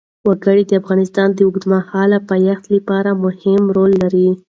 وګړي د افغانستان د اوږدمهاله پایښت لپاره مهم رول لري.